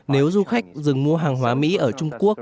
nếu du khách dừng mua hàng hóa mỹ ở trung quốc